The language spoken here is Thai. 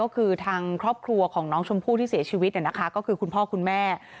ครอบครัวของน้องชมพู่ที่เสียชีวิตเนี่ยนะคะก็คือคุณพ่อคุณแม่